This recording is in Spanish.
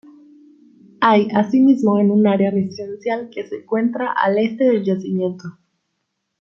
Hay asimismo un área residencial que se encuentra al este del yacimiento.